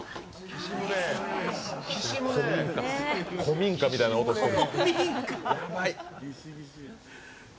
古民家みたいな音してる。